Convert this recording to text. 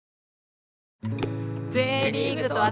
「Ｊリーグと私」